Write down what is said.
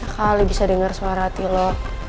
kali bisa denger suara hati lo